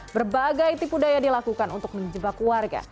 berbagai tipu daya dilakukan untuk menjebak warga